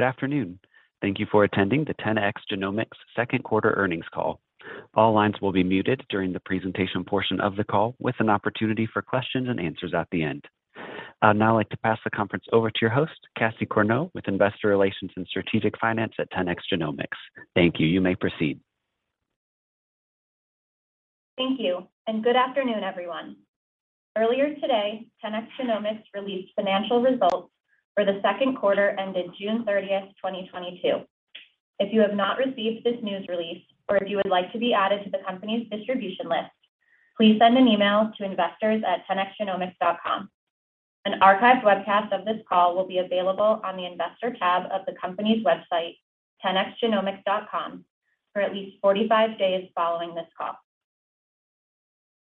Good afternoon. Thank you for attending the 10x Genomics second quarter earnings call. All lines will be muted during the presentation portion of the call, with an opportunity for questions and answers at the end. I'd now like to pass the conference over to your host, Cassie Corneau, with Investor Relations and Strategic Finance at 10x Genomics. Thank you. You may proceed. Thank you, and good afternoon, everyone. Earlier today, 10x Genomics released financial results for the second quarter ending June 30, 2022. If you have not received this news release, or if you would like to be added to the company's distribution list, please send an email to investors at 10xgenomics.com. An archived webcast of this call will be available on the investor tab of the company's website, 10xgenomics.com, for at least 45 days following this call.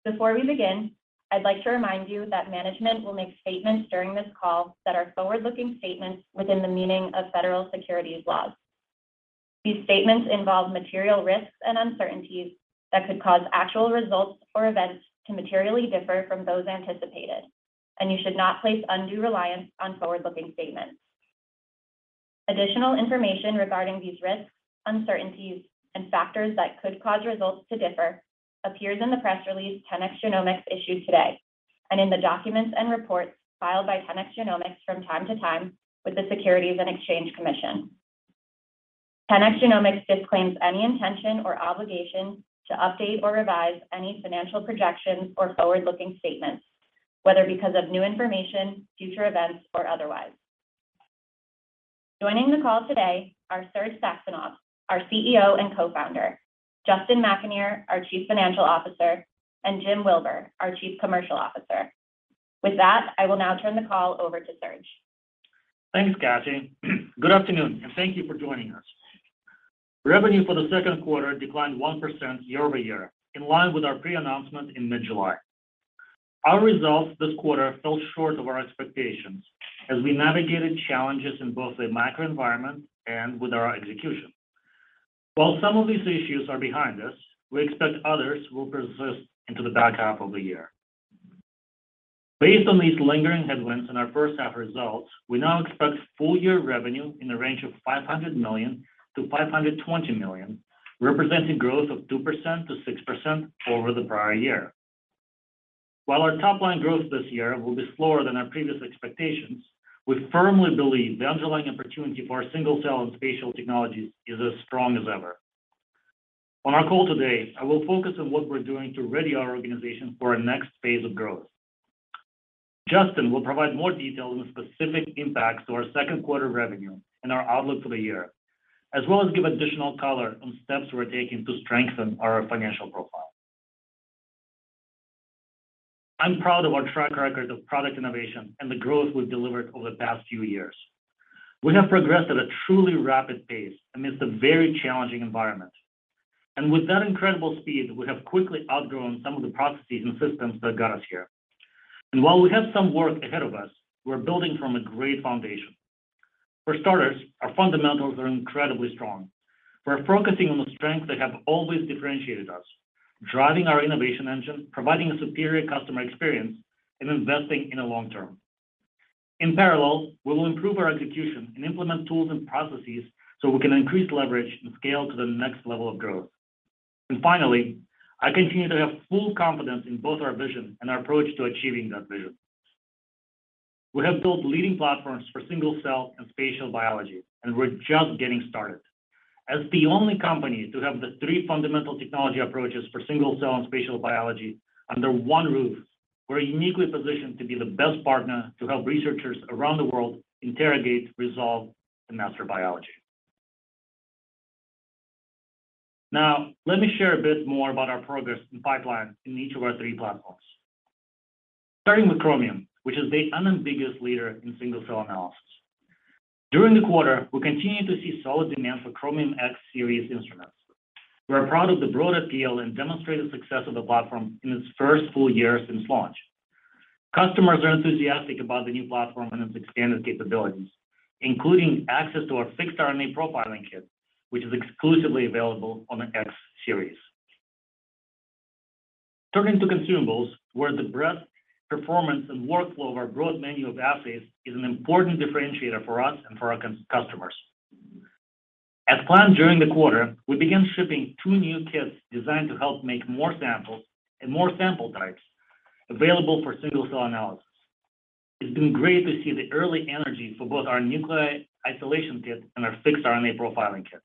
Before we begin, I'd like to remind you that management will make statements during this call that are forward-looking statements within the meaning of federal securities laws. These statements involve material risks and uncertainties that could cause actual results or events to materially differ from those anticipated, and you should not place undue reliance on forward-looking statements. Additional information regarding these risks, uncertainties, and factors that could cause results to differ appears in the press release 10x Genomics issued today, and in the documents and reports filed by 10x Genomics from time to time with the Securities and Exchange Commission. 10x Genomics disclaims any intention or obligation to update or revise any financial projections or forward-looking statements, whether because of new information, future events, or otherwise. Joining the call today are Serge Saxonov, our CEO and co-founder, Justin McAnear, our Chief Financial Officer, and Jim Wilbur, our Chief Commercial Officer. With that, I will now turn the call over to Serge. Thanks, Cassie. Good afternoon, and thank you for joining us. Revenue for the second quarter declined 1% year-over-year, in line with our pre-announcement in mid-July. Our results this quarter fell short of our expectations as we navigated challenges in both the macro environment and with our execution. While some of these issues are behind us, we expect others will persist into the back half of the year. Based on these lingering headwinds in our first half results, we now expect full-year revenue in the range of $500 million-$520 million, representing growth of 2%-6% over the prior year. While our top-line growth this year will be slower than our previous expectations, we firmly believe the underlying opportunity for our single-cell and spatial technologies is as strong as ever. On our call today, I will focus on what we're doing to ready our organization for our next phase of growth. Justin will provide more detail on the specific impacts to our second quarter revenue and our outlook for the year, as well as give additional color on steps we're taking to strengthen our financial profile. I'm proud of our track record of product innovation and the growth we've delivered over the past few years. We have progressed at a truly rapid pace amidst a very challenging environment. With that incredible speed, we have quickly outgrown some of the processes and systems that got us here. While we have some work ahead of us, we're building from a great foundation. For starters, our fundamentals are incredibly strong. We're focusing on the strengths that have always differentiated us, driving our innovation engine, providing a superior customer experience, and investing in the long term. In parallel, we will improve our execution and implement tools and processes so we can increase leverage and scale to the next level of growth. Finally, I continue to have full confidence in both our vision and our approach to achieving that vision. We have built leading platforms for single-cell and spatial biology, and we're just getting started. As the only company to have the three fundamental technology approaches for single-cell and spatial biology under one roof, we're uniquely positioned to be the best partner to help researchers around the world interrogate, resolve, and master biology. Now, let me share a bit more about our progress and pipeline in each of our three platforms. Starting with Chromium, which is the unambiguous leader in single-cell analysis. During the quarter, we continued to see solid demand for Chromium X Series instruments. We're proud of the broad appeal and demonstrated success of the platform in its first full year since launch. Customers are enthusiastic about the new platform and its expanded capabilities, including access to our Fixed RNA Profiling Kit, which is exclusively available on the X Series. Turning to consumables, where the breadth, performance, and workflow of our broad menu of assays is an important differentiator for us and for our customers. As planned during the quarter, we began shipping two new kits designed to help make more samples and more sample types available for single-cell analysis. It's been great to see the early energy for both our Nuclei Isolation Kit and our Fixed RNA Profiling Kit.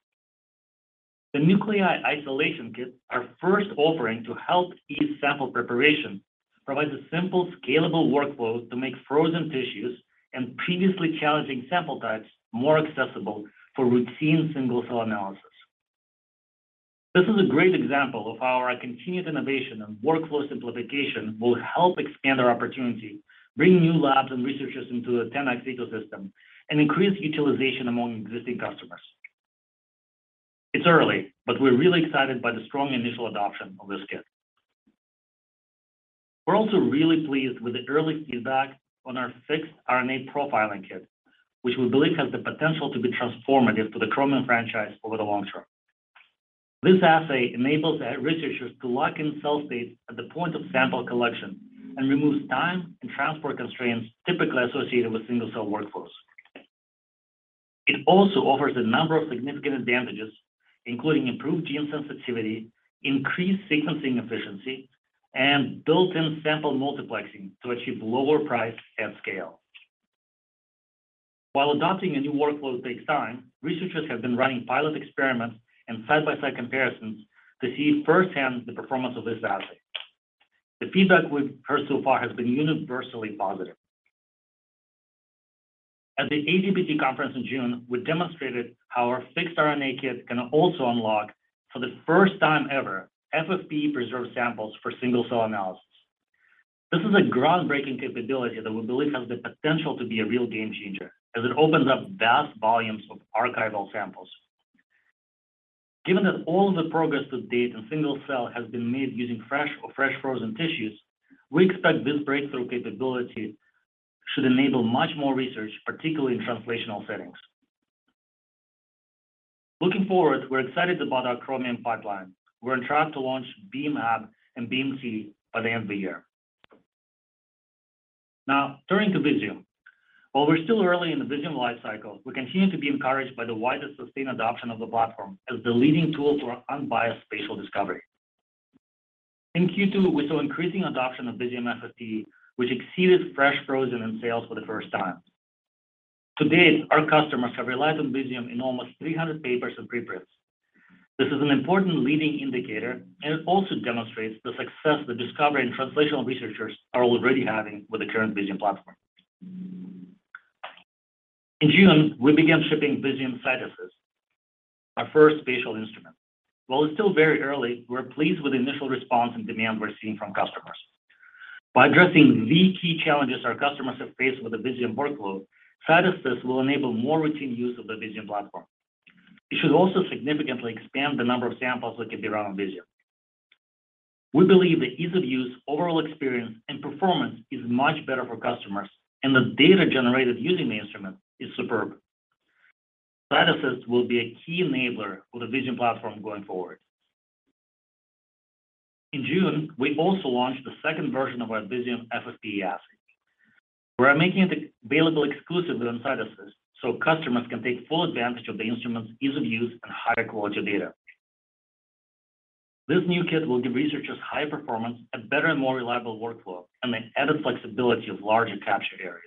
The nuclei isolation kit, our first offering to help ease sample preparation, provides a simple, scalable workflow to make frozen tissues and previously challenging sample types more accessible for routine single-cell analysis. This is a great example of how our continued innovation and workflow simplification will help expand our opportunity, bring new labs and researchers into the 10x ecosystem, and increase utilization among existing customers. It's early, but we're really excited by the strong initial adoption of this kit. We're also really pleased with the early feedback on our fixed RNA profiling kit, which we believe has the potential to be transformative to the Chromium franchise over the long term. This assay enables researchers to lock in cell states at the point of sample collection and removes time and transport constraints typically associated with single-cell workflows. It also offers a number of significant advantages, including improved gene sensitivity, increased sequencing efficiency, and built-in sample multiplexing to achieve lower price and scale. While adopting a new workflow takes time, researchers have been running pilot experiments and side-by-side comparisons to see firsthand the performance of this assay. The feedback we've heard so far has been universally positive. At the AGBT conference in June, we demonstrated how our fixed RNA kit can also unlock for the first time ever FFPE preserved samples for single-cell analysis. This is a groundbreaking capability that we believe has the potential to be a real game-changer as it opens up vast volumes of archival samples. Given that all the progress to date in single cell has been made using fresh or fresh frozen tissues, we expect this breakthrough capability should enable much more research, particularly in translational settings. Looking forward, we're excited about our Chromium pipeline. We're on track to launch BEAM-Ab and BEAM-T by the end of the year. Now, turning to Visium. While we're still early in the Visium lifecycle, we continue to be encouraged by the widest sustained adoption of the platform as the leading tool for unbiased spatial discovery. In Q2, we saw increasing adoption of Visium FFPE, which exceeded fresh frozen in sales for the first time. To date, our customers have relied on Visium in almost 300 papers and preprints. This is an important leading indicator, and it also demonstrates the success the discovery and translational researchers are already having with the current Visium platform. In June, we began shipping Visium CytAssist, our first spatial instrument. While it's still very early, we're pleased with the initial response and demand we're seeing from customers. By addressing the key challenges our customers have faced with the Visium workload, CytAssist will enable more routine use of the Visium platform. It should also significantly expand the number of samples that can be run on Visium. We believe the ease of use, overall experience, and performance is much better for customers, and the data generated using the instrument is superb. CytAssist will be a key enabler for the Visium platform going forward. In June, we also launched the second version of our Visium FFPE assay. We're making it available exclusively on CytAssist so customers can take full advantage of the instrument's ease of use and higher quality data. This new kit will give researchers high performance, a better and more reliable workflow, and the added flexibility of larger capture areas.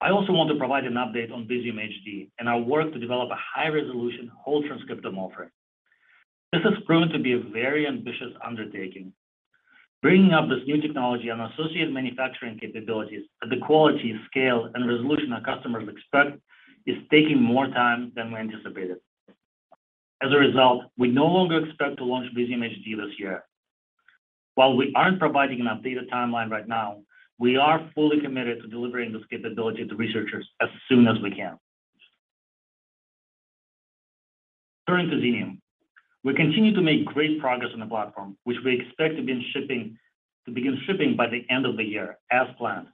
I also want to provide an update on Visium HD and our work to develop a high-resolution whole transcriptome offering. This has proven to be a very ambitious undertaking. Bringing up this new technology and associated manufacturing capabilities at the quality, scale, and resolution our customers expect is taking more time than we anticipated. As a result, we no longer expect to launch Visium HD this year. While we aren't providing an updated timeline right now, we are fully committed to delivering this capability to researchers as soon as we can. Turning to Xenium, we continue to make great progress on the platform, which we expect to begin shipping by the end of the year as planned.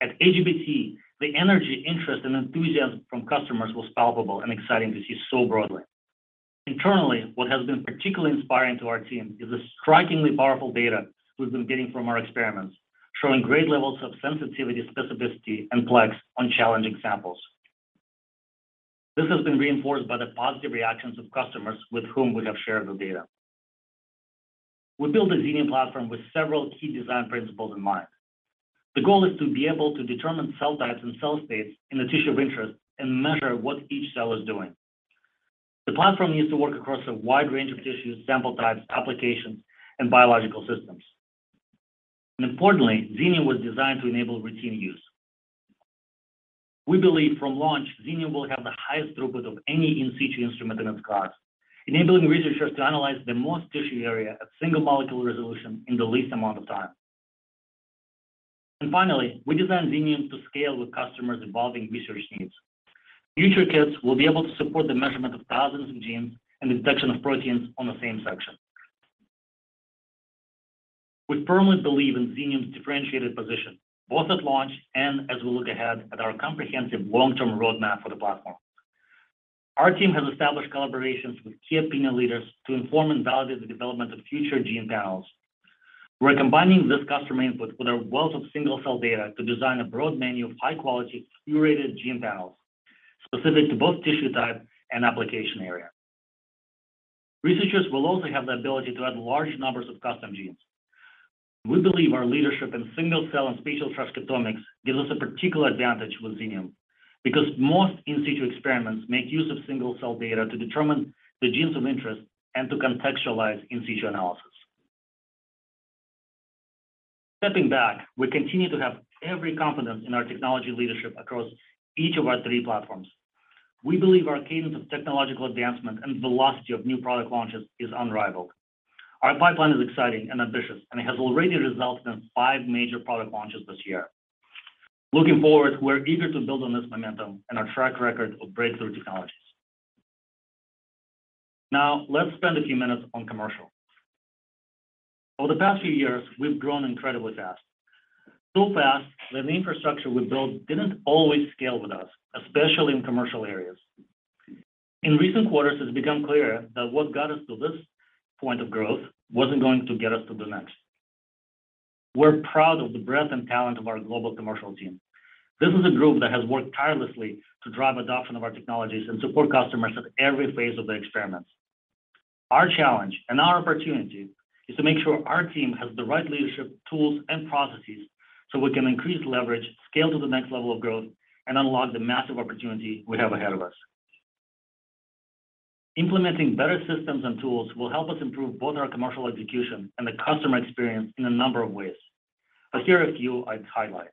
At AGBT, the energy, interest, and enthusiasm from customers was palpable and exciting to see so broadly. Internally, what has been particularly inspiring to our team is the strikingly powerful data we've been getting from our experiments, showing great levels of sensitivity, specificity, and plex on challenging samples. This has been reinforced by the positive reactions of customers with whom we have shared the data. We built the Xenium platform with several key design principles in mind. The goal is to be able to determine cell types and cell states in the tissue of interest and measure what each cell is doing. The platform needs to work across a wide range of tissues, sample types, applications, and biological systems. Importantly, Xenium was designed to enable routine use. We believe from launch, Xenium will have the highest throughput of any in situ instrument in its class, enabling researchers to analyze the most tissue area at single-molecule resolution in the least amount of time. Finally, we designed Xenium to scale with customers' evolving research needs. Future kits will be able to support the measurement of thousands of genes and detection of proteins on the same section. We firmly believe in Xenium's differentiated position, both at launch and as we look ahead at our comprehensive long-term roadmap for the platform. Our team has established collaborations with key opinion leaders to inform and validate the development of future gene panels. We're combining this customer input with our wealth of single-cell data to design a broad menu of high-quality, curated gene panels specific to both tissue type and application area. Researchers will also have the ability to add large numbers of custom genes. We believe our leadership in single-cell and spatial transcriptomics gives us a particular advantage with Xenium because most in situ experiments make use of single-cell data to determine the genes of interest and to contextualize in situ analysis. Stepping back, we continue to have every confidence in our technology leadership across each of our three platforms. We believe our cadence of technological advancement and velocity of new product launches is unrivaled. Our pipeline is exciting and ambitious, and it has already resulted in five major product launches this year. Looking forward, we're eager to build on this momentum and our track record of breakthrough technologies. Now let's spend a few minutes on commercial. Over the past few years, we've grown incredibly fast. Fast that the infrastructure we built didn't always scale with us, especially in commercial areas. In recent quarters, it's become clear that what got us to this point of growth wasn't going to get us to the next. We're proud of the breadth and talent of our global commercial team. This is a group that has worked tirelessly to drive adoption of our technologies and support customers at every phase of their experiments. Our challenge and our opportunity is to make sure our team has the right leadership, tools, and processes so we can increase leverage, scale to the next level of growth, and unlock the massive opportunity we have ahead of us. Implementing better systems and tools will help us improve both our commercial execution and the customer experience in a number of ways. Here are a few I'd highlight.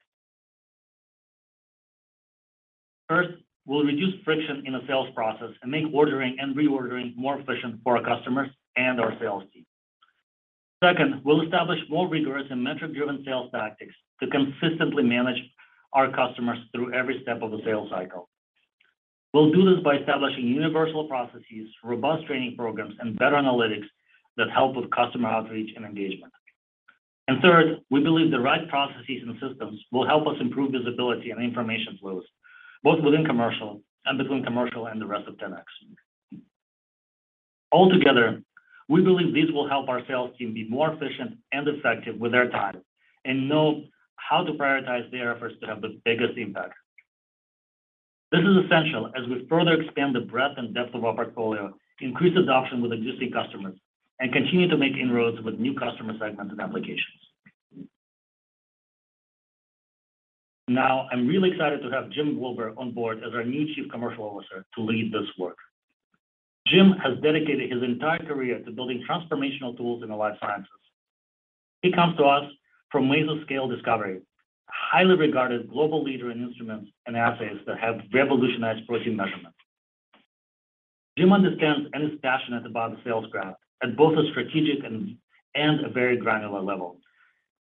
First, we'll reduce friction in the sales process and make ordering and reordering more efficient for our customers and our sales team. Second, we'll establish more rigorous and metric-driven sales tactics to consistently manage our customers through every step of the sales cycle. We'll do this by establishing universal processes, robust training programs, and better analytics that help with customer outreach and engagement. Third, we believe the right processes and systems will help us improve visibility and information flows, both within commercial and between commercial and the rest of 10x. Altogether, we believe this will help our sales team be more efficient and effective with their time, and know how to prioritize their efforts to have the biggest impact. This is essential as we further expand the breadth and depth of our portfolio, increase adoption with existing customers, and continue to make inroads with new customer segments and applications. Now, I'm really excited to have Jim Wilbur on board as our new Chief Commercial Officer to lead this work. Jim has dedicated his entire career to building transformational tools in the life sciences. He comes to us from Meso Scale Discovery, a highly regarded global leader in instruments and assays that have revolutionized protein measurements. Jim understands and is passionate about the sales craft at both a strategic and a very granular level.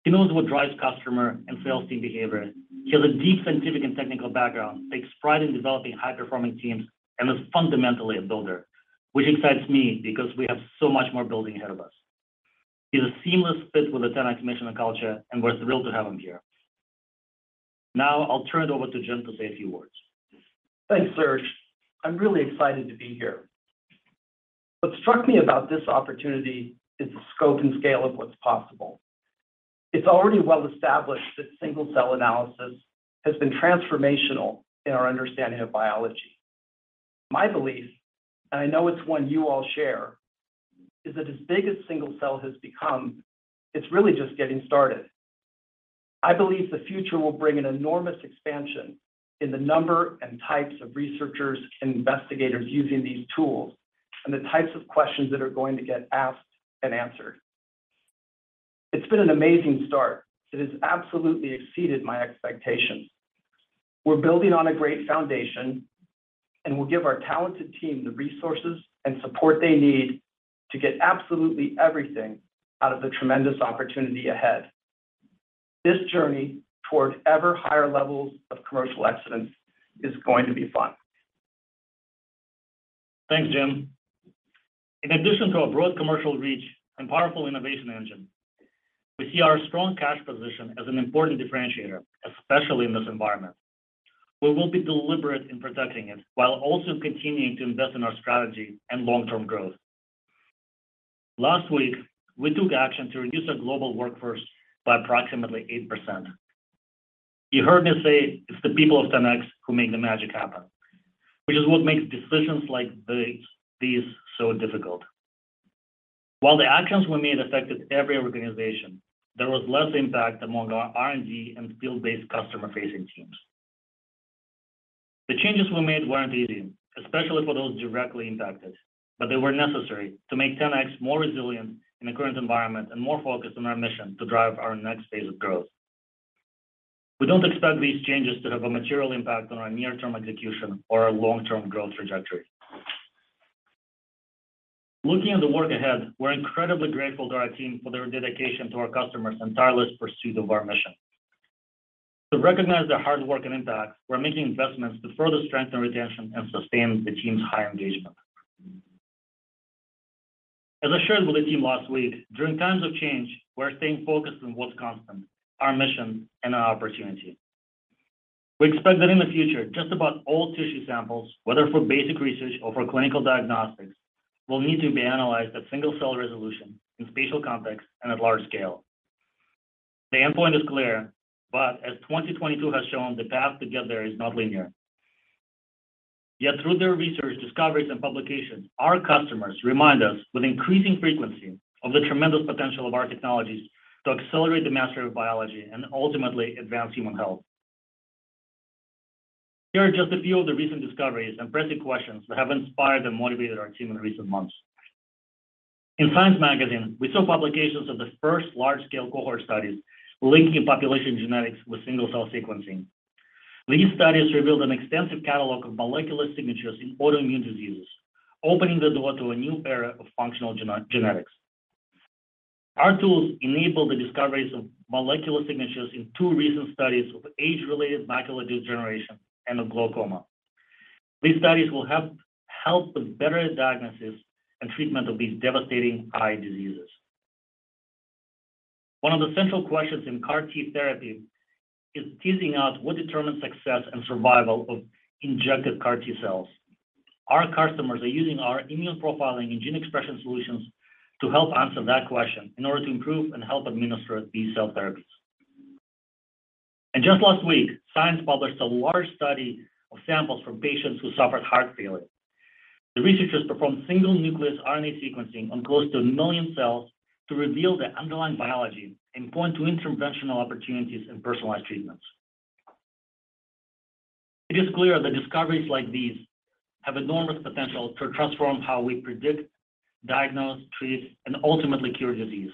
He knows what drives customer and sales team behavior. He has a deep scientific and technical background, takes pride in developing high-performing teams, and is fundamentally a builder, which excites me because we have so much more building ahead of us. He's a seamless fit with the 10x mission and culture, and we're thrilled to have him here. Now I'll turn it over to Jim to say a few words. Thanks, Serge. I'm really excited to be here. What struck me about this opportunity is the scope and scale of what's possible. It's already well established that single-cell analysis has been transformational in our understanding of biology. My belief, and I know it's one you all share, is that as big as single-cell has become, it's really just getting started. I believe the future will bring an enormous expansion in the number and types of researchers and investigators using these tools, and the types of questions that are going to get asked and answered. It's been an amazing start. It has absolutely exceeded my expectations. We're building on a great foundation, and we'll give our talented team the resources and support they need to get absolutely everything out of the tremendous opportunity ahead. This journey towards ever higher levels of commercial excellence is going to be fun. Thanks, Jim. In addition to a broad commercial reach and powerful innovation engine, we see our strong cash position as an important differentiator, especially in this environment. We will be deliberate in protecting it while also continuing to invest in our strategy and long-term growth. Last week, we took action to reduce our global workforce by approximately 8%. You heard me say it's the people of 10x who make the magic happen, which is what makes decisions like this, these so difficult. While the actions we made affected every organization, there was less impact among our R&D and field-based customer-facing teams. The changes we made weren't easy, especially for those directly impacted, but they were necessary to make 10x more resilient in the current environment and more focused on our mission to drive our next phase of growth. We don't expect these changes to have a material impact on our near-term execution or our long-term growth trajectory. Looking at the work ahead, we're incredibly grateful to our team for their dedication to our customers and tireless pursuit of our mission. To recognize their hard work and impact, we're making investments to further strengthen retention and sustain the team's high engagement. As I shared with the team last week, during times of change, we're staying focused on what's constant, our mission and our opportunity. We expect that in the future, just about all tissue samples, whether for basic research or for clinical diagnostics, will need to be analyzed at single-cell resolution in spatial context and at large scale. The endpoint is clear, but as 2022 has shown, the path to get there is not linear. Yet through their research, discoveries, and publications, our customers remind us with increasing frequency of the tremendous potential of our technologies to accelerate the mastery of biology and ultimately advance human health. Here are just a few of the recent discoveries and pressing questions that have inspired and motivated our team in recent months. In Science, we saw publications of the first large-scale cohort studies linking population genetics with single-cell sequencing. These studies revealed an extensive catalog of molecular signatures in autoimmune diseases, opening the door to a new era of functional genetics. Our tools enabled the discoveries of molecular signatures in two recent studies of age-related macular degeneration and of glaucoma. These studies will help with better diagnosis and treatment of these devastating eye diseases. One of the central questions in CAR T therapy is teasing out what determines success and survival of injected CAR T cells. Our customers are using our immune profiling and gene expression solutions to help answer that question in order to improve and help administer these cell therapies. Just last week, Science published a large study of samples from patients who suffered heart failure. The researchers performed single-nucleus RNA sequencing on close to 1 million cells to reveal the underlying biology and point to interventional opportunities and personalized treatments. It is clear that discoveries like these have enormous potential to transform how we predict, diagnose, treat, and ultimately cure disease.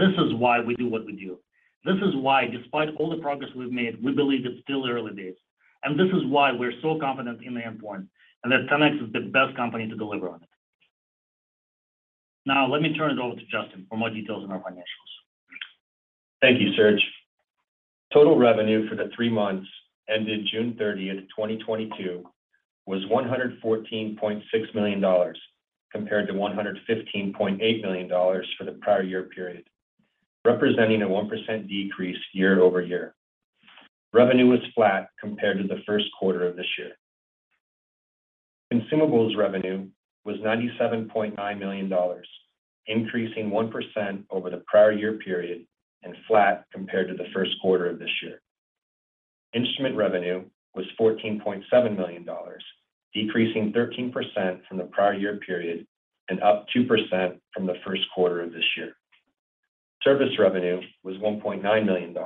This is why we do what we do. This is why, despite all the progress we've made, we believe it's still early days. This is why we're so confident in the endpoint, and that 10x is the best company to deliver on it. Now, let me turn it over to Justin for more details on our financials. Thank you, Serge. Total revenue for the three months ended June 30, 2022 was $114.6 million, compared to $115.8 million for the prior year period, representing a 1% decrease year-over-year. Revenue was flat compared to the first quarter of this year. Consumables revenue was $97.9 million, increasing 1% over the prior year period and flat compared to the first quarter of this year. Instrument revenue was $14.7 million, decreasing 13% from the prior year period and up 2% from the first quarter of this year. Service revenue was $1.9 million,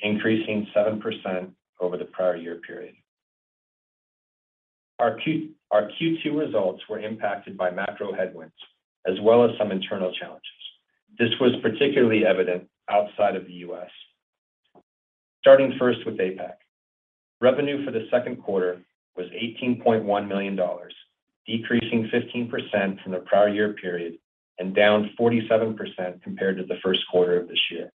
increasing 7% over the prior year period. Our Q2 results were impacted by macro headwinds as well as some internal challenges. This was particularly evident outside of the U.S. Starting first with APAC. Revenue for the second quarter was $18.1 million, decreasing 15% from the prior year period and down 47% compared to the first quarter of this year.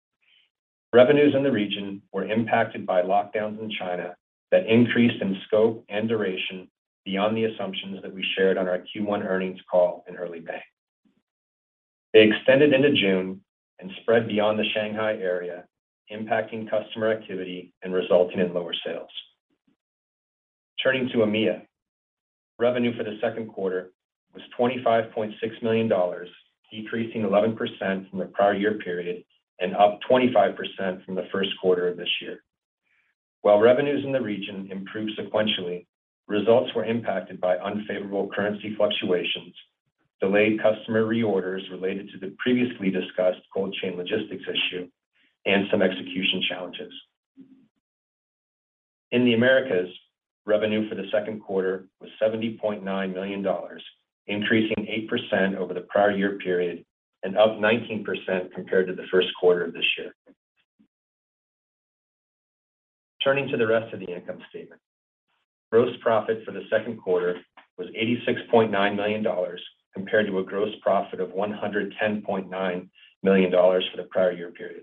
Revenues in the region were impacted by lockdowns in China that increased in scope and duration beyond the assumptions that we shared on our Q1 earnings call in early May. They extended into June and spread beyond the Shanghai area, impacting customer activity and resulting in lower sales. Turning to EMEA. Revenue for the second quarter was $25.6 million, decreasing 11% from the prior year period and up 25% from the first quarter of this year. While revenues in the region improved sequentially, results were impacted by unfavorable currency fluctuations, delayed customer reorders related to the previously discussed cold chain logistics issue, and some execution challenges. In the Americas, revenue for the second quarter was $70.9 million, increasing 8% over the prior year period and up 19% compared to the first quarter of this year. Turning to the rest of the income statement. Gross profit for the second quarter was $86.9 million compared to a gross profit of $110.9 million for the prior year period.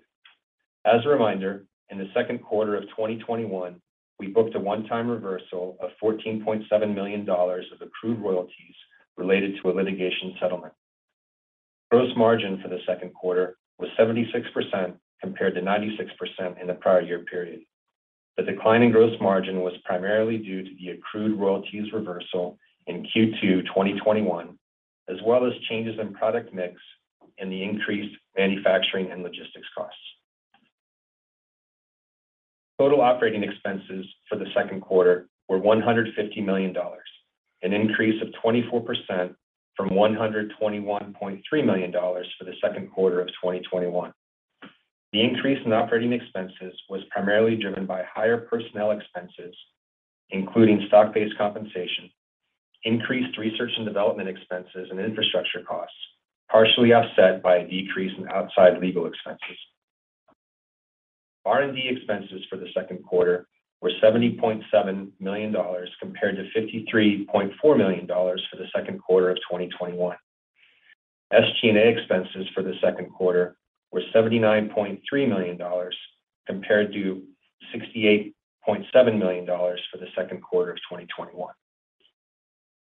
As a reminder, in the second quarter of 2021, we booked a one-time reversal of $14.7 million of accrued royalties related to a litigation settlement. Gross margin for the second quarter was 76% compared to 96% in the prior year period. The decline in gross margin was primarily due to the accrued royalties reversal in Q2 2021, as well as changes in product mix and the increased manufacturing and logistics costs. Total operating expenses for the second quarter were $150 million, an increase of 24% from $121.3 million for the second quarter of 2021. The increase in operating expenses was primarily driven by higher personnel expenses, including stock-based compensation, increased research and development expenses, and infrastructure costs, partially offset by a decrease in outside legal expenses. R&D expenses for the second quarter were $70.7 million compared to $53.4 million for the second quarter of 2021. SG&A expenses for the second quarter were $79.3 million compared to $68.7 million for the second quarter of 2021.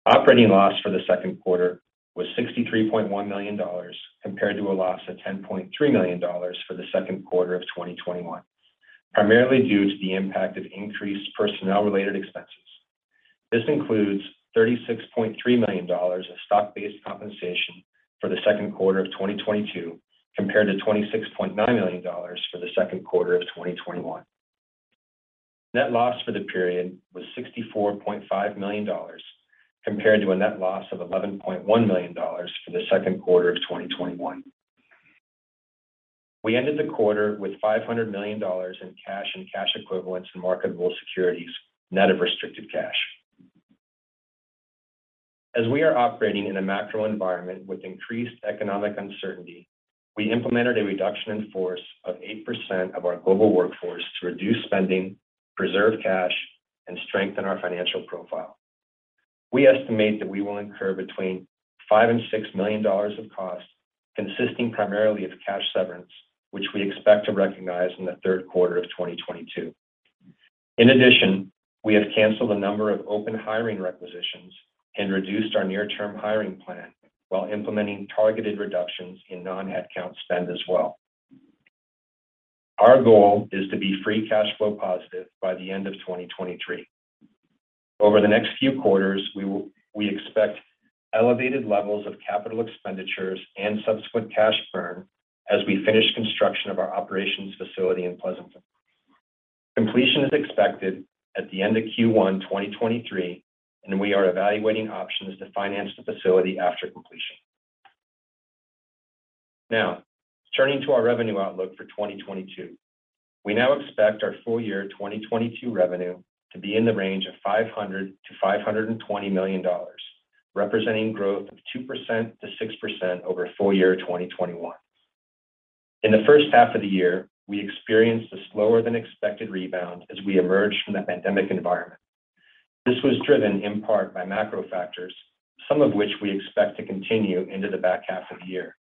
Operating loss for the second quarter was $63.1 million compared to a loss of $10.3 million for the second quarter of 2021, primarily due to the impact of increased personnel-related expenses. This includes $36.3 million of stock-based compensation for the second quarter of 2022 compared to $26.9 million for the second quarter of 2021. Net loss for the period was $64.5 million compared to a net loss of $11.1 million for the second quarter of 2021. We ended the quarter with $500 million in cash and cash equivalents and marketable securities, net of restricted cash. As we are operating in a macro environment with increased economic uncertainty, we implemented a reduction in force of 8% of our global workforce to reduce spending, preserve cash, and strengthen our financial profile. We estimate that we will incur between $5 million and $6 million of costs consisting primarily of cash severance, which we expect to recognize in the third quarter of 2022. In addition, we have canceled a number of open hiring requisitions and reduced our near-term hiring plan while implementing targeted reductions in non-head count spend as well. Our goal is to be free cash flow positive by the end of 2023. Over the next few quarters, we expect elevated levels of capital expenditures and subsequent cash burn as we finish construction of our operations facility in Pleasanton. Completion is expected at the end of Q1 2023, and we are evaluating options to finance the facility after completion. Now, turning to our revenue outlook for 2022. We now expect our full year 2022 revenue to be in the range of $500 million-$520 million, representing growth of 2%-6% over full year 2021. In the first half of the year, we experienced a slower than expected rebound as we emerged from the pandemic environment. This was driven in part by macro factors, some of which we expect to continue into the back half of the year.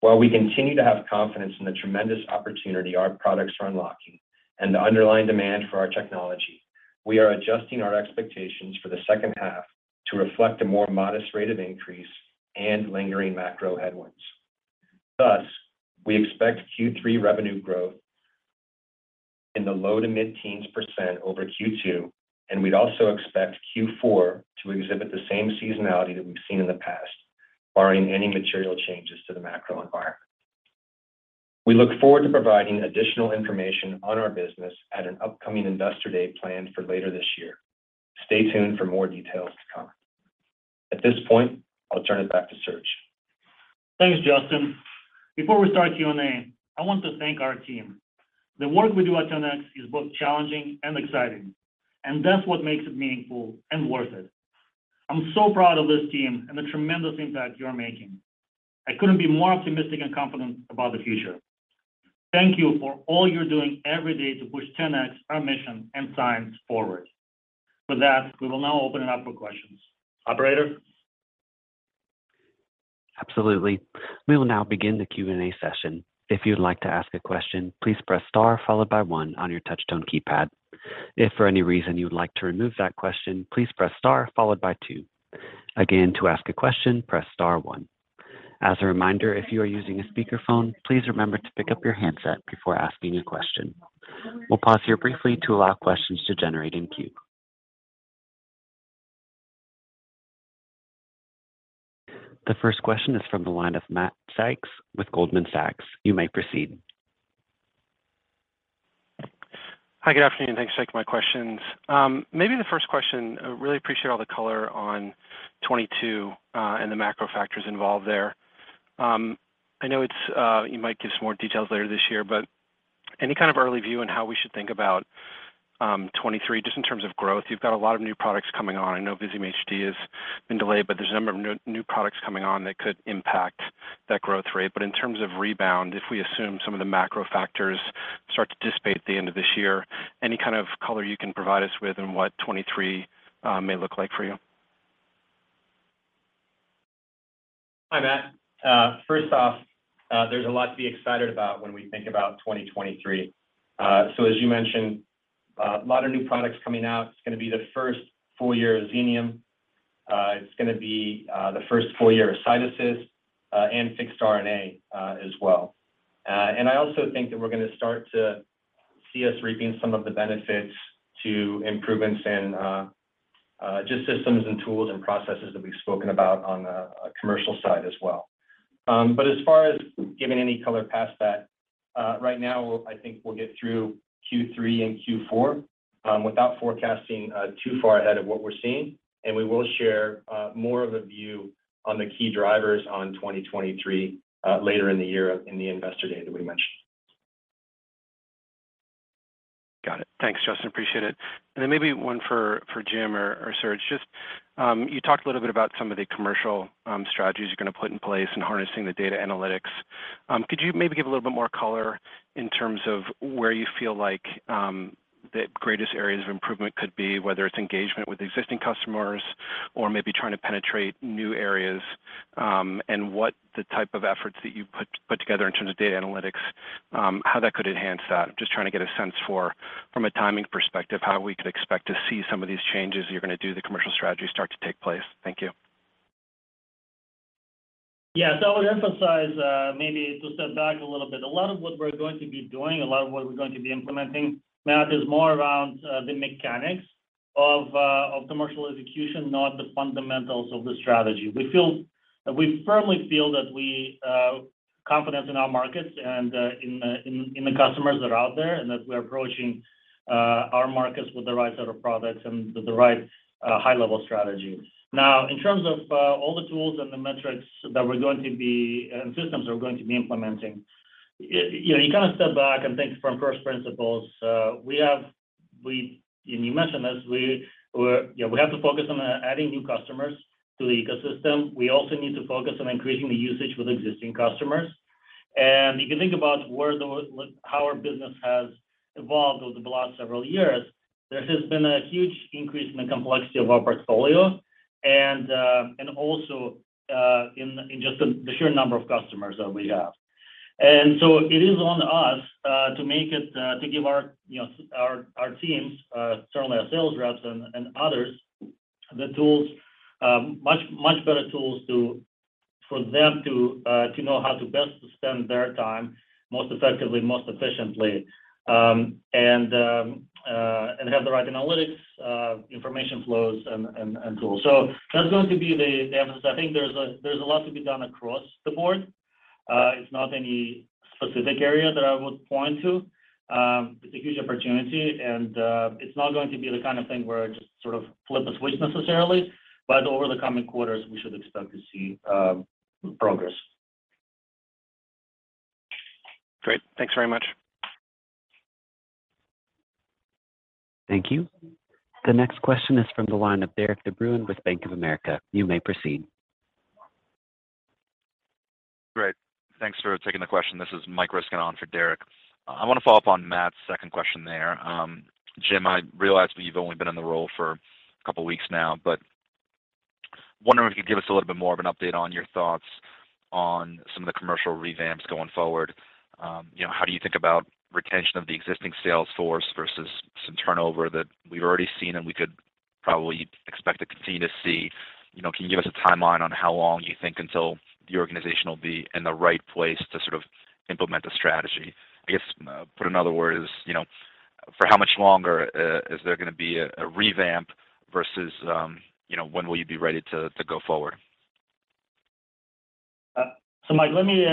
While we continue to have confidence in the tremendous opportunity our products are unlocking and the underlying demand for our technology, we are adjusting our expectations for the second half to reflect a more modest rate of increase and lingering macro headwinds. Thus, we expect Q3 revenue growth in the low to mid-teens % over Q2, and we'd also expect Q4 to exhibit the same seasonality that we've seen in the past, barring any material changes to the macro environment. We look forward to providing additional information on our business at an upcoming Investor Day planned for later this year. Stay tuned for more details to come. At this point, I'll turn it back to Serge. Thanks, Justin. Before we start Q&A, I want to thank our team. The work we do at 10x is both challenging and exciting, and that's what makes it meaningful and worth it. I'm so proud of this team and the tremendous impact you're making. I couldn't be more optimistic and confident about the future. Thank you for all you're doing every day to push 10x, our mission, and science forward. For that, we will now open it up for questions. Operator? Absolutely. We will now begin the Q&A session. If you'd like to ask a question, please press star followed by one on your touch tone keypad. If for any reason you would like to remove that question, please press star followed by two. Again, to ask a question, press star one. As a reminder, if you are using a speakerphone, please remember to pick up your handset before asking a question. We'll pause here briefly to allow questions to generate in queue. The first question is from the line of Matt Sykes with Goldman Sachs. You may proceed. Hi, good afternoon. Thanks for taking my questions. Maybe the first question, I really appreciate all the color on 2022 and the macro factors involved there. I know it's you might give some more details later this year, but any kind of early view on how we should think about 2023 just in terms of growth. You've got a lot of new products coming on. I know Visium HD has been delayed, but there's a number of new products coming on that could impact that growth rate. In terms of rebound, if we assume some of the macro factors start to dissipate at the end of this year, any kind of color you can provide us with on what 2023 may look like for you? Hi, Matt. First off, there's a lot to be excited about when we think about 2023. As you mentioned, a lot of new products coming out. It's gonna be the first full year of Xenium. It's gonna be the first full year of CytAssist, and fixed RNA, as well. I also think that we're gonna start to see us reaping some of the benefits to improvements in, just systems and tools and processes that we've spoken about on the commercial side as well. As far as giving any color past that, right now I think we'll get through Q3 and Q4, without forecasting too far ahead of what we're seeing. We will share more of a view on the key drivers on 2023 later in the year in the Investor Day that we mentioned. Got it. Thanks, Justin. Appreciate it. Then maybe one for Jim or Serge. Just, you talked a little bit about some of the commercial strategies you're going to put in place and harnessing the data analytics. Could you maybe give a little bit more color in terms of where you feel like the greatest areas of improvement could be, whether it's engagement with existing customers or maybe trying to penetrate new areas, and what the type of efforts that you've put together in terms of data analytics, how that could enhance that? Just trying to get a sense from a timing perspective, how we could expect to see some of these changes you're going to do, the commercial strategy start to take place. Thank you. I would emphasize, maybe to step back a little bit, a lot of what we're going to be doing, a lot of what we're going to be implementing, Matt, is more around the mechanics of commercial execution, not the fundamentals of the strategy. We firmly feel that we are confident in our markets and in the customers that are out there, and that we're approaching our markets with the right set of products and the right high-level strategy. Now, in terms of all the tools and the metrics and systems we're going to be implementing, you know, you kind of step back and think from first principles. You mentioned this. We have to focus on adding new customers to the ecosystem. We also need to focus on increasing the usage with existing customers. If you think about where like how our business has evolved over the last several years, there has been a huge increase in the complexity of our portfolio and also in just the sheer number of customers that we have. It is on us to give our you know our teams certainly our sales reps and others the tools much better tools for them to know how to best spend their time most effectively, most efficiently and have the right analytics information flows and tools. That's going to be the emphasis. I think there's a lot to be done across the board. It's not any specific area that I would point to. It's a huge opportunity and it's not going to be the kind of thing where I just sort of flip a switch necessarily, but over the coming quarters, we should expect to see progress. Great. Thanks very much. Thank you. The next question is from the line of Derik De Bruin with Bank of America. You may proceed. Great. Thanks for taking the question. This is Michael Ryskin on for Derik De Bruin. I wanna follow up on Matt's second question there. Jim, I realize you've only been in the role for a couple of weeks now, but wondering if you could give us a little bit more of an update on your thoughts on some of the commercial revamps going forward. You know, how do you think about retention of the existing sales force versus some turnover that we've already seen and we could probably expect to continue to see? You know, can you give us a timeline on how long you think until the organization will be in the right place to sort of implement the strategy? I guess, in other words, you know, for how much longer is there gonna be a revamp versus, you know, when will you be ready to go forward? So Mike, let me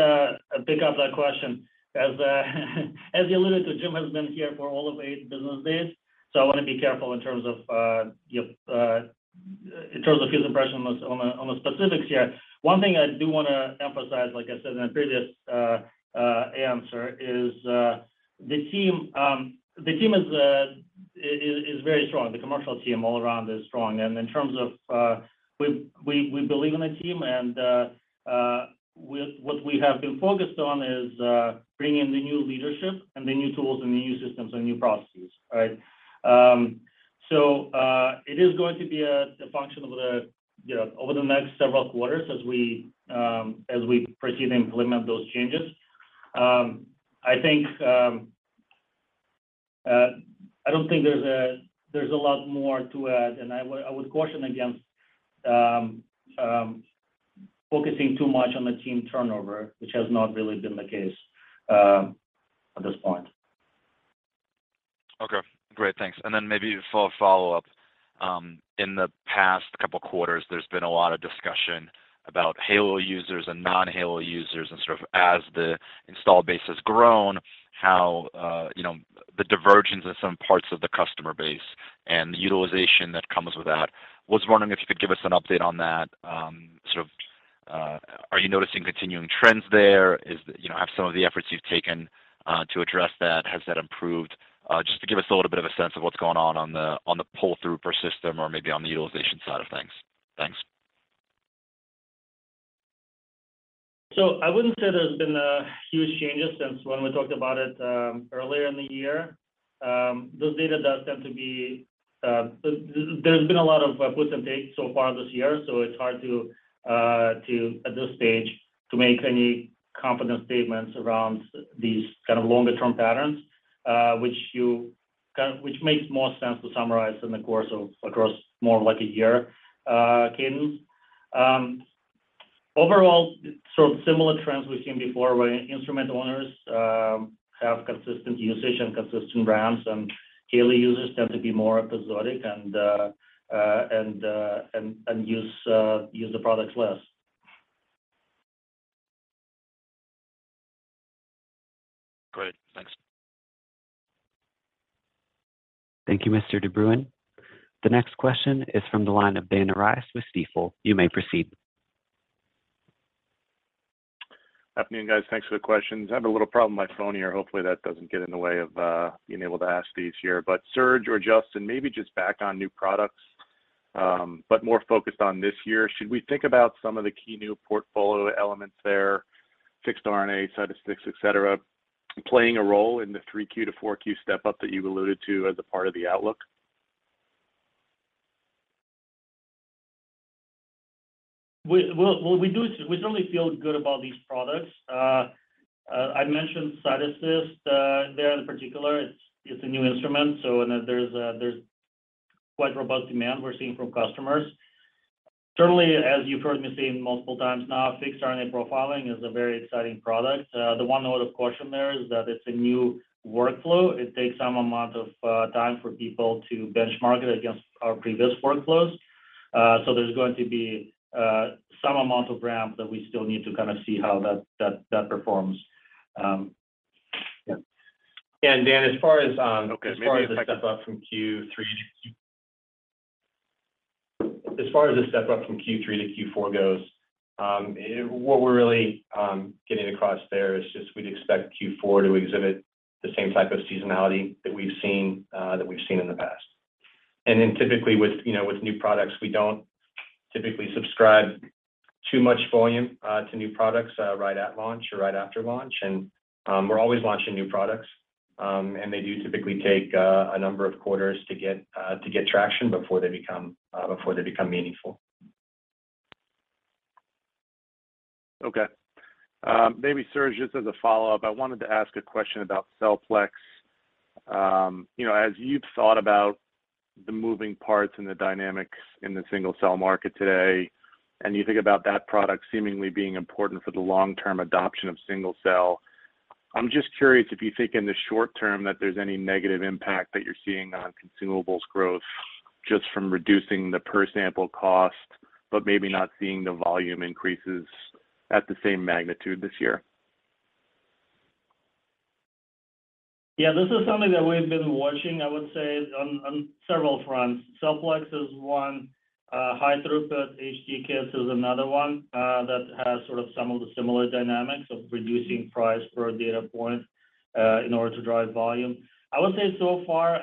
pick up that question. As you alluded to, Jim has been here for all of eight business days, so I wanna be careful in terms of his impression on the specifics here. One thing I do wanna emphasize, like I said in the previous answer, is the team is very strong. The commercial team all around is strong. In terms of, we believe in the team and with what we have been focused on is bringing the new leadership and the new tools and the new systems and new processes, all right? It is going to be a function over the next several quarters as we proceed to implement those changes. I think I don't think there's a lot more to add, and I would caution against focusing too much on the team turnover, which has not really been the case at this point. Okay. Great. Thanks. Maybe for a follow-up, in the past couple quarters, there's been a lot of discussion about halo users and non-halo users and sort of as the install base has grown, how you know the divergence in some parts of the customer base and the utilization that comes with that. Was wondering if you could give us an update on that, are you noticing continuing trends there? You know, have some of the efforts you've taken to address that, has that improved? Just to give us a little bit of a sense of what's going on on the pull-through per system or maybe on the utilization side of things. Thanks. I wouldn't say there's been huge changes since when we talked about it earlier in the year. Those data does tend to be. There's been a lot of puts and takes so far this year, so it's hard to, at this stage, to make any confident statements around these kind of longer term patterns, which makes more sense to summarize across more of like a year cadence. Overall, sort of similar trends we've seen before where instrument owners have consistent usage and consistent ramps, and halo users tend to be more episodic and use the products less. Great. Thanks. Thank you, Mr. de Bruin. The next question is from the line of Dan Arias with Stifel. You may proceed. Afternoon, guys. Thanks for the questions. I have a little problem with my phone here. Hopefully, that doesn't get in the way of being able to ask these here. Serge or Justin, maybe just back on new products, but more focused on this year. Should we think about some of the key new portfolio elements there, fixed RNA, CytAssist, et cetera, playing a role in the 3Q to 4Q step-up that you alluded to as a part of the outlook? We certainly feel good about these products. I mentioned CytAssist there in particular. It's a new instrument, so and there's quite robust demand we're seeing from customers. Certainly, as you've heard me say multiple times now, fixed RNA profiling is a very exciting product. The one note of caution there is that it's a new workflow. It takes some amount of time for people to benchmark it against our previous workflows. There's going to be some amount of ramp that we still need to kind of see how that performs. Dan, as far as Okay. Maybe if I could. As far as the step up from Q3 to Q4 goes, what we're really getting across there is just we'd expect Q4 to exhibit the same type of seasonality that we've seen in the past. Then typically with, you know, with new products, we don't typically attribute too much volume to new products right at launch or right after launch. We're always launching new products. They do typically take a number of quarters to get traction before they become meaningful. Okay. Maybe Serge, just as a follow-up, I wanted to ask a question about Single Cell Flex. You know, as you've thought about the moving parts and the dynamics in the single-cell market today, and you think about that product seemingly being important for the long-term adoption of single cell, I'm just curious if you think in the short term that there's any negative impact that you're seeing on consumables growth just from reducing the per sample cost, but maybe not seeing the volume increases at the same magnitude this year. Yeah, this is something that we've been watching, I would say on several fronts. Single Cell Flex is one, high-throughput HD kits is another one, that has sort of some of the similar dynamics of reducing price per data point in order to drive volume. I would say so far,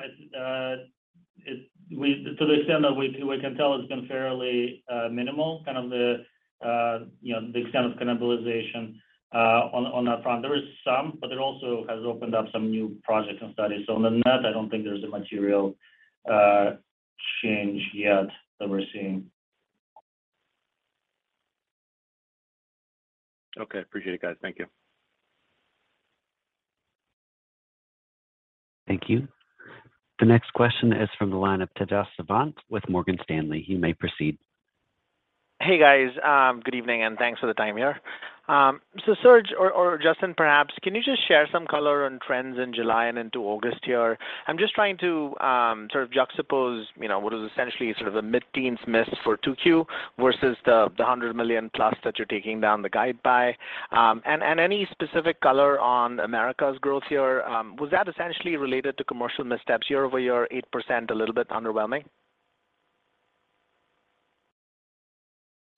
to the extent that we can tell it's been fairly minimal, kind of, you know, the extent of cannibalization on that front. There is some, but it also has opened up some new projects and studies. Other than that, I don't think there's a material change yet that we're seeing. Okay. Appreciate it, guys. Thank you. Thank you. The next question is from the line of Tejas Savant with Morgan Stanley. You may proceed. Hey, guys. Good evening, and thanks for the time here. Serge or Justin perhaps, can you just share some color on trends in July and into August here? I'm just trying to sort of juxtapose, you know, what is essentially sort of a mid-teens miss for 2Q versus the $100 million plus that you're taking down the guide by. And any specific color on Americas' growth here, was that essentially related to commercial missteps year-over-year, 8% a little bit underwhelming?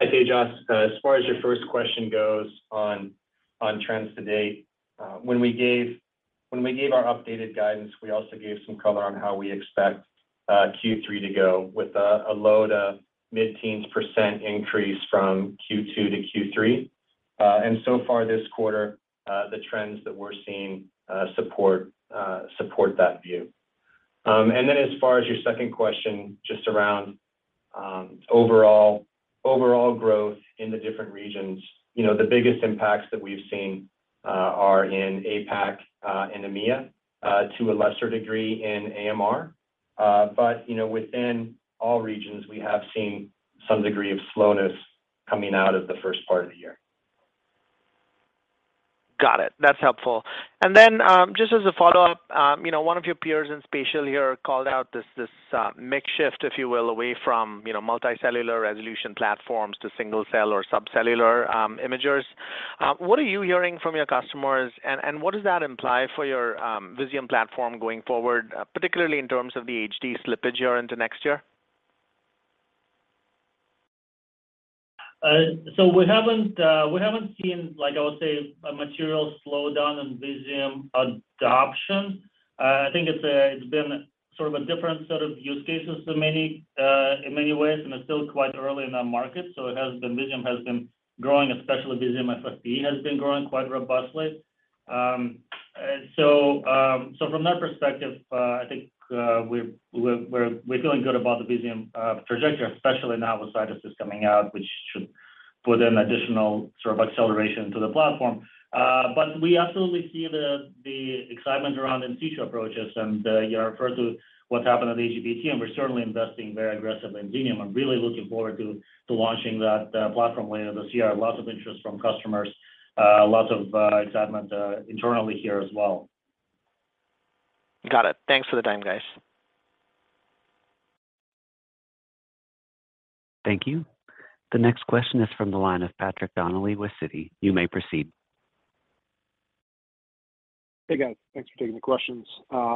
I'd say, Tejas, as far as your first question goes on trends to date, when we gave our updated guidance, we also gave some color on how we expect Q3 to go with low mid-teens % increase from Q2 to Q3. So far this quarter, the trends that we're seeing support that view. Then as far as your second question, just around overall growth in the different regions, you know, the biggest impacts that we've seen are in APAC and EMEA, to a lesser degree in Americas. You know, within all regions, we have seen some degree of slowness coming out of the first part of the year. Got it. That's helpful. Then, just as a follow-up, you know, one of your peers in spatial here called out this market shift, if you will, away from, you know, multicellular resolution platforms to single cell or subcellular imagers. What are you hearing from your customers and what does that imply for your Visium platform going forward, particularly in terms of the HD slippage here into next year? We haven't seen, like I would say, a material slowdown in Visium adoption. I think it's been sort of a different set of use cases than many in many ways, and it's still quite early in our market. Visium has been growing, especially Visium FFPE has been growing quite robustly. From that perspective, I think we're feeling good about the Visium trajectory, especially now with CytAssist coming out, which should put an additional sort of acceleration to the platform. We absolutely see the excitement around in situ approaches and you refer to what's happened at AGBT, and we're certainly investing very aggressively in Visium. I'm really looking forward to launching that platform later this year. Lots of interest from customers, lots of excitement internally here as well. Got it. Thanks for the time, guys. Thank you. The next question is from the line of Patrick Donnelly with Citi. You may proceed. Hey, guys. Thanks for taking the questions.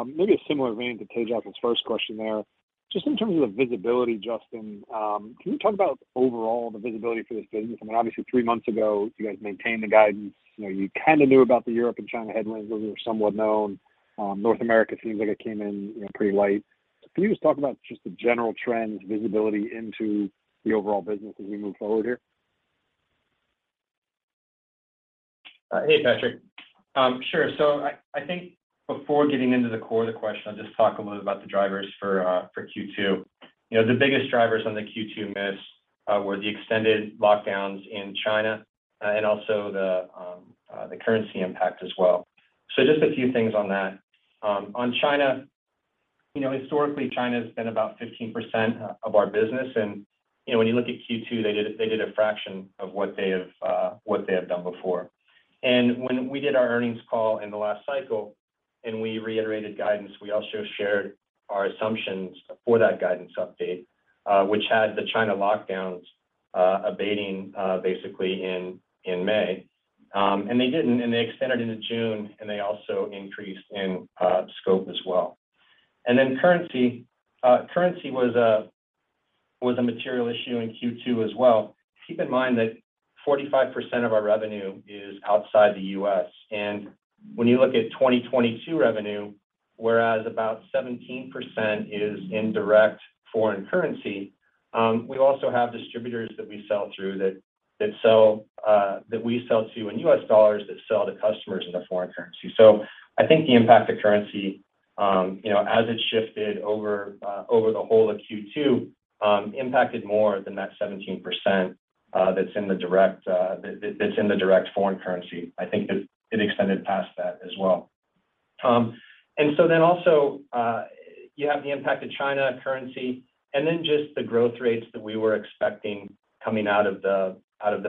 Maybe a similar vein to Tejas's first question there. Just in terms of the visibility, Justin, can you talk about overall the visibility for this business? I mean, obviously three months ago, you guys maintained the guidance. You know, you kind of knew about the Europe and China headwinds. Those were somewhat known. North America seems like it came in, you know, pretty light. Can you just talk about just the general trends, visibility into the overall business as we move forward here? Hey, Patrick. Sure. I think before getting into the core of the question, I'll just talk a little bit about the drivers for Q2. You know, the biggest drivers on the Q2 miss were the extended lockdowns in China and also the currency impact as well. Just a few things on that. On China, you know, historically China's been about 15% of our business and, you know, when you look at Q2, they did a fraction of what they have done before. When we did our earnings call in the last cycle and we reiterated guidance, we also shared our assumptions for that guidance update, which had the China lockdowns abating basically in May. They didn't, and they extended into June, and they also increased in scope as well. Then currency. Currency was a material issue in Q2 as well. Keep in mind that 45% of our revenue is outside the U.S. When you look at 2022 revenue, whereas about 17% is in direct foreign currency, we also have distributors that we sell through that sell to in US dollars that sell to customers in a foreign currency. I think the impact of currency, you know, as it shifted over over the whole of Q2, impacted more than that 17%, that's in the direct foreign currency. I think it extended past that as well. You have the impact of China currency and then just the growth rates that we were expecting coming out of the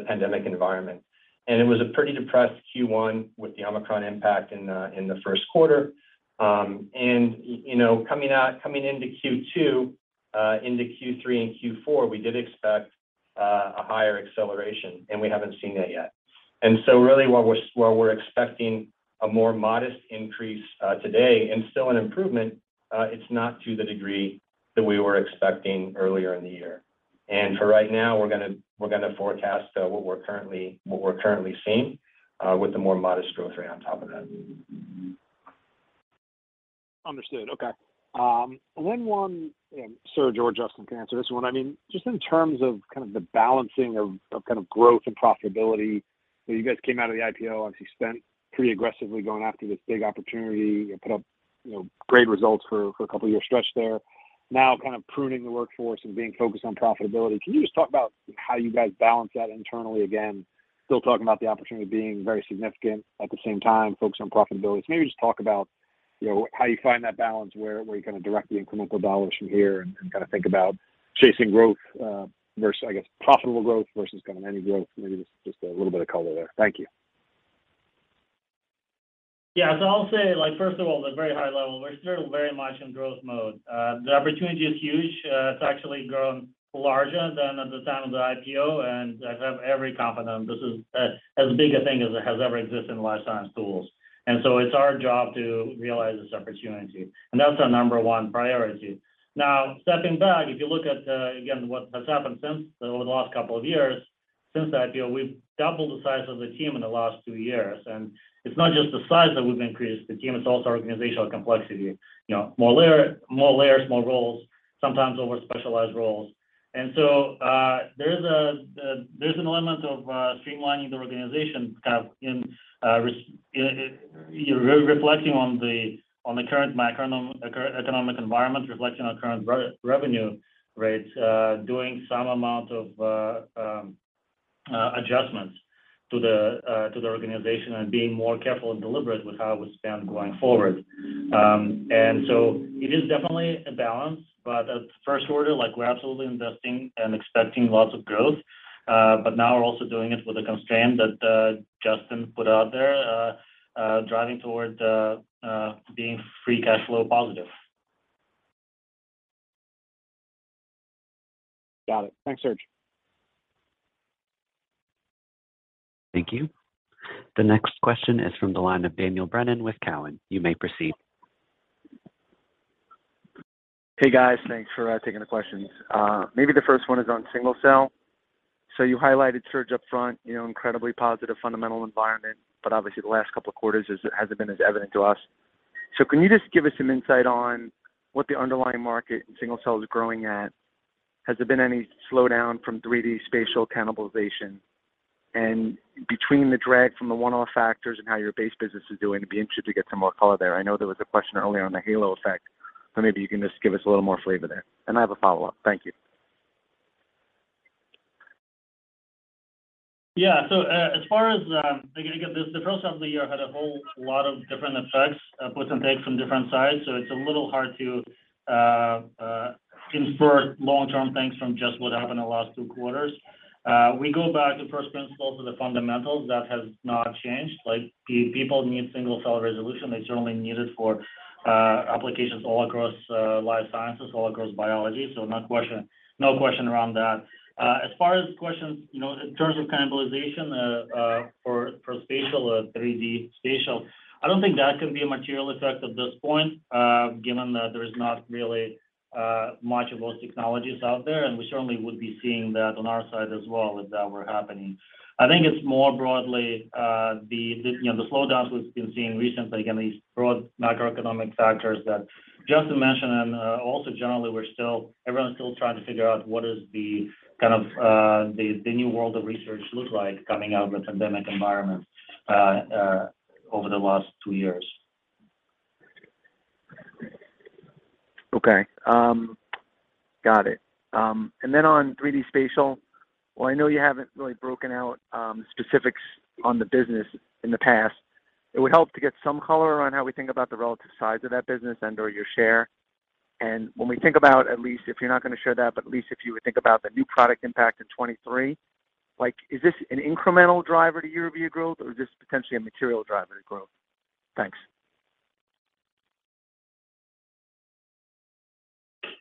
pandemic environment. It was a pretty depressed Q1 with the Omicron impact in the first quarter. You know, coming out, coming into Q2, into Q3 and Q4, we did expect a higher acceleration, and we haven't seen that yet. Really what we're expecting a more modest increase today, and still an improvement. It's not to the degree that we were expecting earlier in the year. For right now, we're gonna forecast what we're currently seeing with the more modest growth rate on top of that. Understood. Okay. And then one, and Serge or Justin can answer this one. I mean, just in terms of kind of the balancing of kind of growth and profitability. You guys came out of the IPO, obviously spent pretty aggressively going after this big opportunity and put up, you know, great results for a couple of year stretch there. Now, kind of pruning the workforce and being focused on profitability. Can you just talk about how you guys balance that internally? Again, still talking about the opportunity being very significant at the same time, focused on profitability. Maybe just talk about, you know, how you find that balance where you're gonna direct the incremental dollars from here and kind of think about chasing growth versus, I guess, profitable growth versus kind of any growth. Maybe just a little bit of color there. Thank you. Yeah. I'll say, like, first of all, at a very high level, we're still very much in growth mode. The opportunity is huge. It's actually grown larger than at the time of the IPO. I have every confidence this is as big a thing as it has ever existed in the life science tools. It's our job to realize this opportunity, and that's our number one priority. Now, stepping back, if you look at again, what has happened since over the last couple of years since the IPO, we've doubled the size of the team in the last two years. It's not just the size that we've increased the team, it's also organizational complexity. You know, more layers, more roles, sometimes overspecialized roles. There's an element of streamlining the organization. You're reflecting on the current macroeconomic environment, reflecting on current revenue rates, doing some amount of adjustments to the organization and being more careful and deliberate with how we spend going forward. It is definitely a balance. At first order, like, we're absolutely investing and expecting lots of growth. Now we're also doing it with a constraint that Justin put out there, driving towards being free cash flow positive. Got it. Thanks, Serge. Thank you. The next question is from the line of Daniel Brennan with Cowen. You may proceed. Hey, guys. Thanks for taking the questions. Maybe the first one is on single cell. You highlighted, Serge, upfront, you know, incredibly positive fundamental environment, but obviously the last couple of quarters hasn't been as evident to us. Can you just give us some insight on what the underlying market and single cell is growing at? Has there been any slowdown from 3D spatial cannibalization? And between the drag from the one-off factors and how your base business is doing, it'd be interesting to get some more color there. I know there was a question earlier on the halo effect. Maybe you can just give us a little more flavor there. And I have a follow-up. Thank you. Yeah. As far as, again, the first half of the year had a whole lot of different effects, puts and takes from different sides. It's a little hard to infer long-term things from just what happened in the last two quarters. We go back to first principles of the fundamentals. That has not changed. Like, people need single cell resolution. They certainly need it for applications all across life sciences, all across biology. No question, no question around that. As far as questions, you know, in terms of cannibalization, for spatial, 3D spatial, I don't think that can be a material effect at this point, given that there's not really much of those technologies out there, and we certainly would be seeing that on our side as well if that were happening. I think it's more broadly, you know, the slowdowns we've been seeing recently, again, these broad macroeconomic factors that Justin mentioned. Also generally, everyone's still trying to figure out what is the kind of the new world of research look like coming out of the pandemic environment, over the last two years. Okay. Got it. Then on 3D spatial. While I know you haven't really broken out specifics on the business in the past, it would help to get some color around how we think about the relative size of that business and/or your share. When we think about, at least, if you're not going to share that, but at least if you would think about the new product impact in 2023, like, is this an incremental driver to year-over-year growth, or is this potentially a material driver to growth? Thanks.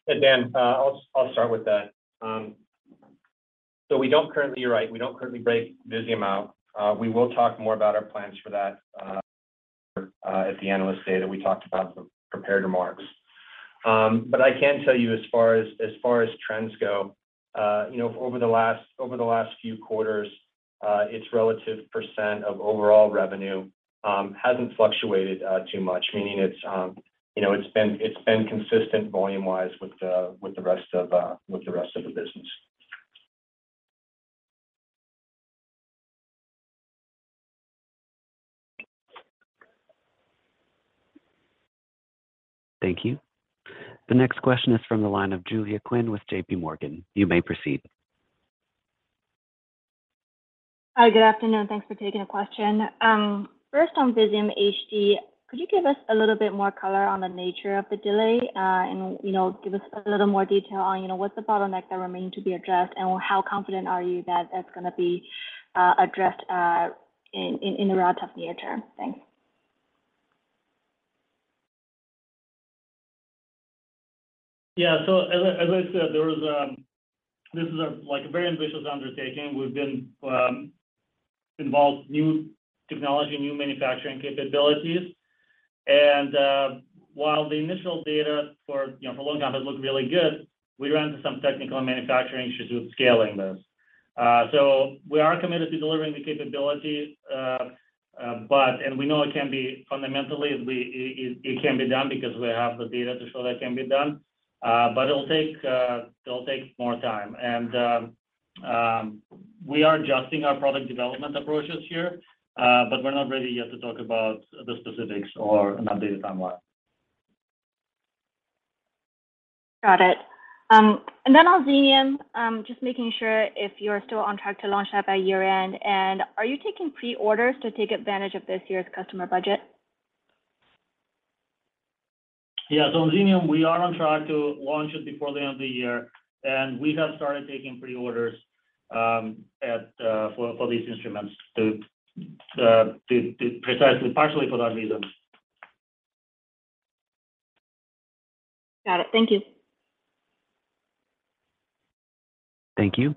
Dan, I'll start with that. You're right, we don't currently break Visium out. We will talk more about our plans for that at the Analyst Day that we talked about the prepared remarks. I can tell you as far as trends go, you know, over the last few quarters, its relative percent of overall revenue hasn't fluctuated too much. Meaning it's been consistent volume-wise with the rest of the business. Thank you. The next question is from the line of Julia Qin with J.P. Morgan. You may proceed. Hi. Good afternoon. Thanks for taking a question. First on Visium HD, could you give us a little bit more color on the nature of the delay, and, you know, give us a little more detail on, you know, what's the bottleneck that remain to be addressed, and how confident are you that that's gonna be addressed in the relative near term? Thanks. Yeah. As I said, this is, like, a very ambitious undertaking. We've been involved in new technology, new manufacturing capabilities, and while the initial data for, you know, the long term looked really good, we ran into some technical and manufacturing issues scaling this. We are committed to delivering the capability, but we know, fundamentally, it can be done because we have the data to show that it can be done, but it'll take more time. We are adjusting our product development approaches here, but we're not ready yet to talk about the specifics or an updated timeline. Got it. On Xenium, just making sure if you're still on track to launch that by year-end? Are you taking pre-orders to take advantage of this year's customer budget? Yeah. On Xenium, we are on track to launch it before the end of the year, and we have started taking pre-orders for these instruments to precisely, partially for that reason. Got it. Thank you. Thank you.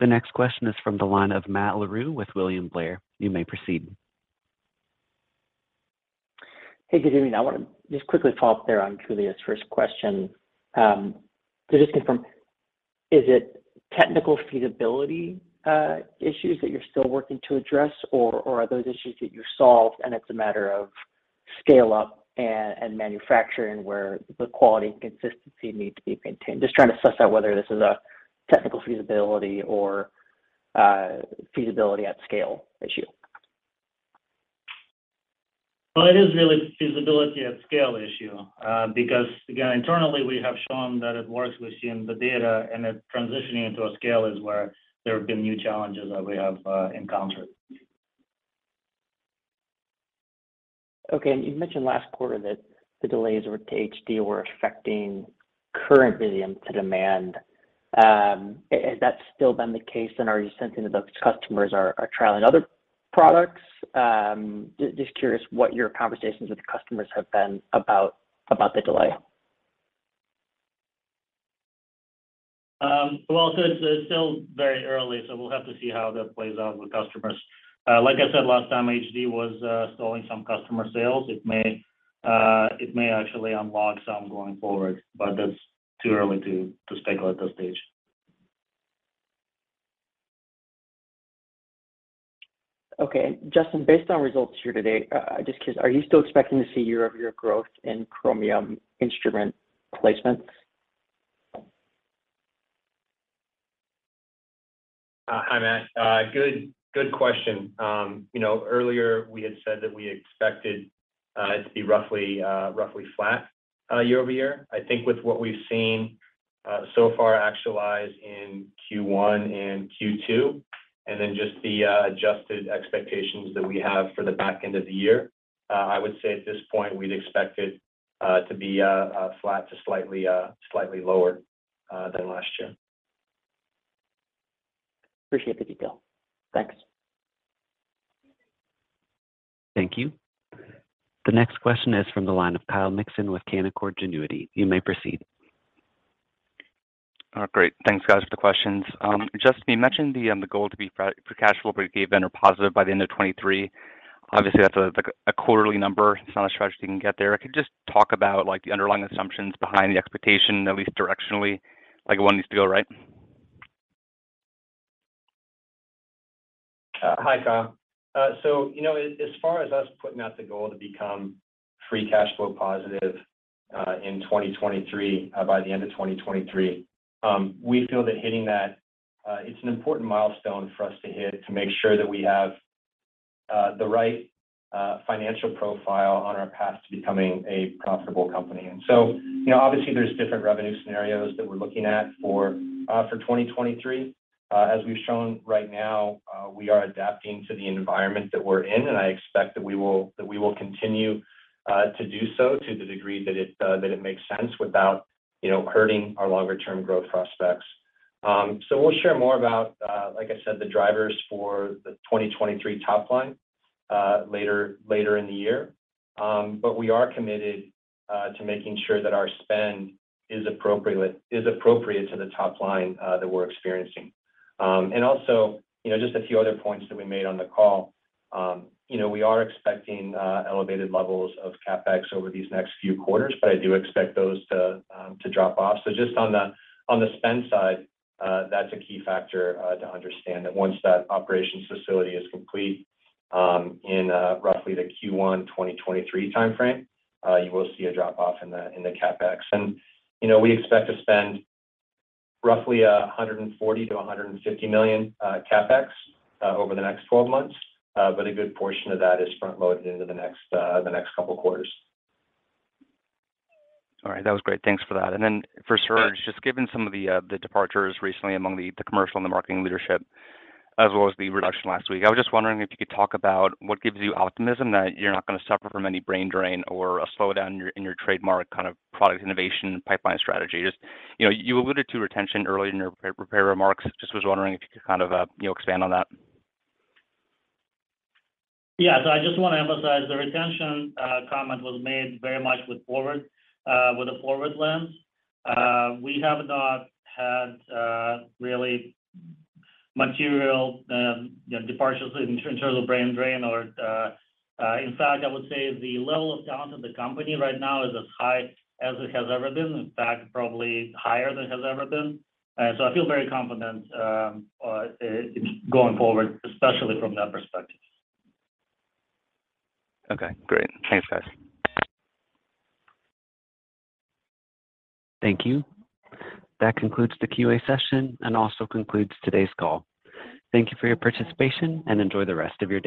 The next question is from the line of Matt Larew with William Blair. You may proceed. Hey, good evening. I wanna just quickly follow up there on Julia's first question. To just confirm, is it technical feasibility issues that you're still working to address or are those issues that you've solved and it's a matter of scale-up and manufacturing where the quality and consistency need to be maintained? Just trying to suss out whether this is a technical feasibility or feasibility at scale issue. Well, it is really feasibility at scale issue, because, again, internally, we have shown that it works. We've seen the data, and it transitioning into a scale is where there have been new challenges that we have encountered. Okay. You've mentioned last quarter that the delays with HD were affecting current Visium demand. Has that still been the case, and are you sensing that those customers are trialing other products? Just curious what your conversations with the customers have been about the delay. Well, it's still very early, so we'll have to see how that plays out with customers. Like I said, last time HD was stalling some customer sales. It may actually unlock some going forward, but that's too early to speculate at this stage. Okay. Justin, based on results here today, just curious, are you still expecting to see year-over-year growth in Chromium instrument placements? Hi, Matt. Good question. You know, earlier we had said that we expected it to be roughly flat year-over-year. I think with what we've seen so far actuals in Q1 and Q2 and then just the adjusted expectations that we have for the back end of the year, I would say at this point we'd expect it to be flat to slightly lower than last year. Appreciate the detail. Thanks. Thank you. The next question is from the line of Kyle Mikson with Canaccord Genuity. You may proceed. Great. Thanks, guys for the questions. Justin, you mentioned the goal to be free cash flow break-even or positive by the end of 2023. Obviously, that's like a quarterly number. It's not a strategy you can get there. Could you just talk about, like, the underlying assumptions behind the expectation, at least directionally, like where it needs to go, right? Hi, Kyle. So, you know, as far as us putting out the goal to become free cash flow positive in 2023 by the end of 2023, we feel that hitting that. It's an important milestone for us to hit to make sure that we have the right financial profile on our path to becoming a profitable company. You know, obviously there's different revenue scenarios that we're looking at for 2023. As we've shown right now, we are adapting to the environment that we're in, and I expect that we will continue to do so to the degree that it makes sense without, you know, hurting our longer term growth prospects. We'll share more about, like I said, the drivers for the 2023 top line later in the year. But we are committed to making sure that our spend is appropriate to the top line that we're experiencing. Also, you know, just a few other points that we made on the call. You know, we are expecting elevated levels of CapEx over these next few quarters, but I do expect those to drop off. Just on the spend side, that's a key factor to understand that once that operations facility is complete in roughly the Q1, 2023 timeframe, you will see a drop off in the CapEx. You know, we expect to spend roughly $140 million-$150 million CapEx over the next 12 months. A good portion of that is front-loaded into the next couple of quarters. All right. That was great. Thanks for that. Then for Serge, just given some of the departures recently among the commercial and the marketing leadership, as well as the reduction last week, I was just wondering if you could talk about what gives you optimism that you're not gonna suffer from any brain drain or a slowdown in your trademark kind of product innovation pipeline strategy. Just, you know, you alluded to retention earlier in your pre-prepared remarks. Just was wondering if you could kind of, you know, expand on that. I just want to emphasize the retention comment was made very much with a forward lens. We have not had really material, you know, departures in terms of brain drain or. In fact, I would say the level of talent in the company right now is as high as it has ever been, in fact, probably higher than it has ever been. I feel very confident going forward, especially from that perspective. Okay, great. Thanks, guys. Thank you. That concludes the Q&A session and also concludes today's call. Thank you for your participation, and enjoy the rest of your day.